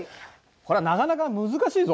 こりゃなかなか難しいぞ。